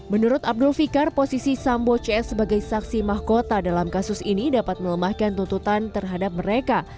menurut abdul fikar posisi sambo cs sebagai saksi mahkota dalam kasus ini dapat melemahkan tuntutan terhadap mereka